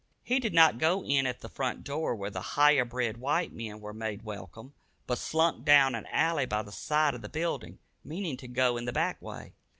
He did not go in at the front door where the higher bred white men were made welcome, but slunk down an alley by the side of the building, meaning to go in the back way.